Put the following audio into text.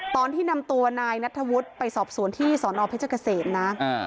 ตอนที่นำตัวนายนัทธวุฒิไปสอบสวนที่สอนอเพชรเกษมนะ